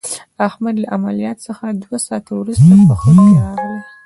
احمد له عملیات څخه دوه ساعته ورسته په خود کې راغی.